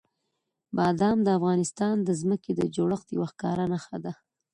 بادام د افغانستان د ځمکې د جوړښت یوه ښکاره نښه ده.